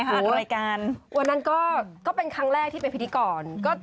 รายการแทคเพื่อนพูดอะไรก็ไม่รู้จนนิดเดียว